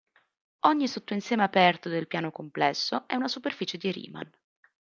Ogni sottoinsieme aperto del piano complesso è una superficie di Riemann.